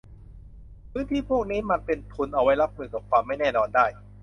พื้นที่พวกนี้มันเป็นทุนเอาไว้รับมือกับความไม่แน่นอนได้